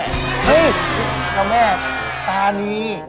เฮ้ยเจ้าแม่ตานี